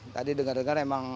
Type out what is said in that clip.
tadi dengar dengar emang